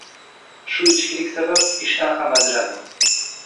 Shu ichkilik sabab, ishdan ham ajraldim